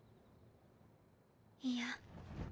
いや。